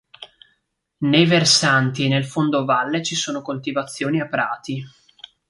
Nei versanti e nel fondovalle ci sono coltivazioni a prati.